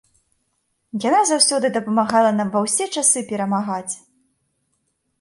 Яна заўсёды дапамагала нам ва ўсе часы перамагаць!